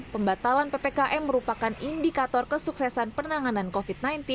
pembatalan ppkm merupakan indikator kesuksesan penanganan covid sembilan belas